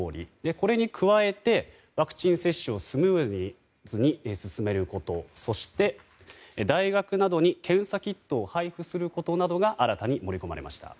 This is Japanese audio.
これに加えてワクチン接種をスムーズに進めること、そして、大学などに検査キットを配布することなどが新たに盛り込まれました。